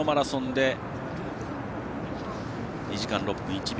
２時間６分１秒。